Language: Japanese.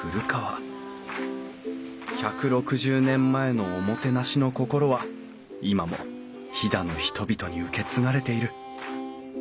１６０年前のおもてなしの心は今も飛騨の人々に受け継がれている。